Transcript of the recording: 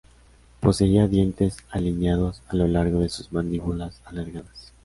Poseía dientes alineados a lo largo de sus mandíbulas alargadas.